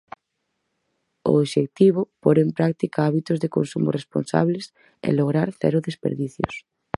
O obxectivo, pór en práctica hábitos de consumo responsables e lograr cero desperdicios.